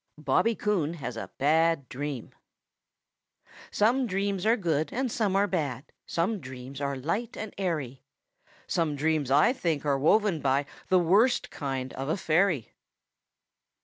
BOBBY COON HAS A BAD DREAM Some dreams are good and some are bad; Some dreams are light and airy; Some dreams I think are woven by The worst bind of a fairy.